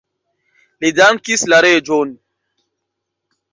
Li dankis la reĝon.